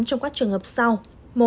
trong các trường hợp sau